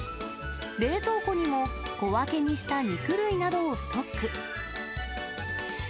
冷凍庫にも、小分けにした肉類などをストック。